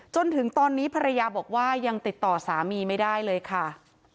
จนถึงตอนนี้ภรรยาบอกว่ายังติดต่อสามีไม่ได้เลยค่ะ